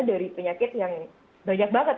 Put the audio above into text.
dari penyakit yang banyak banget